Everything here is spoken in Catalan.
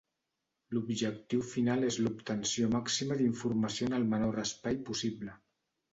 L'objectiu final és l'obtenció màxima d'informació en el menor espai possible.